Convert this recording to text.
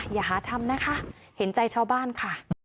อย่าหาทำนะคะเห็นใจชาวบ้านค่ะ